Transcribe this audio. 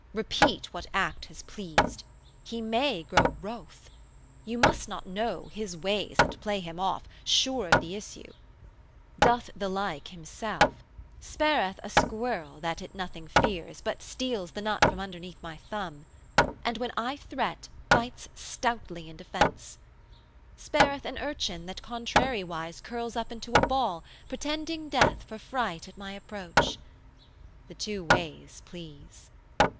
Repeat what act has pleased, He may grow wroth. You must not know, His ways, and play Him off, Sure of the issue. 'Doth the like himself: 225 'Spareth a squirrel that it nothing fears But steals the nut from underneath my thumb, And when I threat, bites stoutly in defense: 'Spareth an urchin that contrariwise, Curls up into a ball, pretending death 230 For fright at my approach: the two ways please.